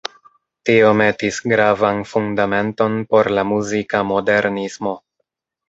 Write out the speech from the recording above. Tio metis gravan fundamenton por la muzika modernismo.